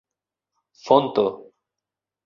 fonto